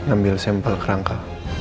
ambil sampel kerangka